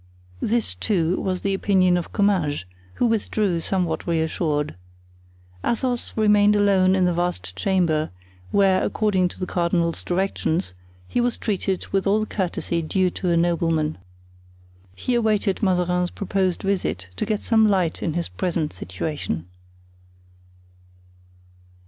This, too, was the opinion of Comminges, who withdrew somewhat reassured. Athos remained alone in the vast chamber, where, according to the cardinal's directions, he was treated with all the courtesy due to a nobleman. He awaited Mazarin's promised visit to get some light on his present situation.